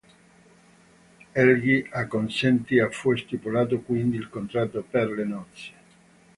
Helgi acconsentì e fu stipulato quindi il contratto per le nozze.